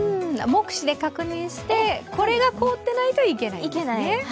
目視で確認して、これが凍ってないといけないんですね。